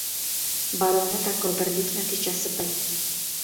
— Baloni takobirlik natijasi bil.